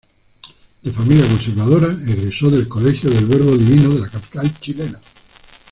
De familia conservadora, egresó del Colegio del Verbo Divino de la capital chilena.